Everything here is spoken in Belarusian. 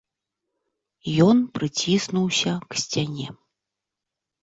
Ён прыціснуўся к сцяне.